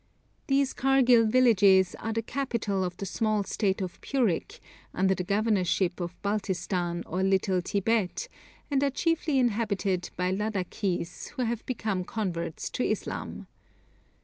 These Kargil villages are the capital of the small State of Purik, under the Governorship of Baltistan or Little Tibet, and are chiefly inhabited by Ladakhis who have become converts to Islam.